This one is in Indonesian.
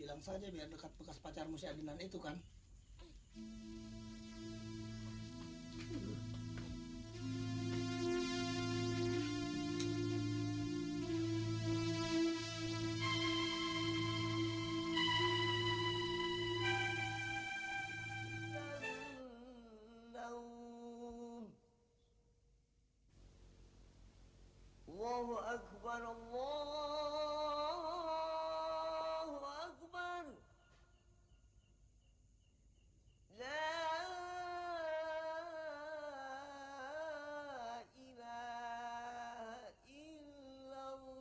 dong hai kamu ini mesti cemburu saja senyum ademan itu anaknya sudah dua